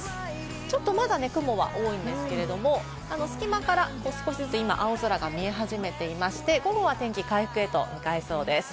ちょっとまだ雲は多いんですけれども、隙間から少しずつ青空が見え始めていまして、午後は天気回復へと向かいそうです。